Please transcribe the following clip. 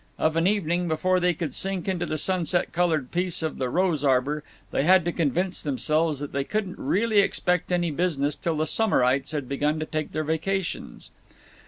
Of an evening, before they could sink into the sunset colored peace of the rose arbor, they had to convince themselves that they couldn't really expect any business till the summerites had begun to take their vacations.